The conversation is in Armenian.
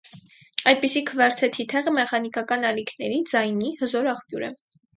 Այդպիսի քվարցե թիթեղը մեխանիկական ալիքների (ձայնի) հզոր աղբյուր է։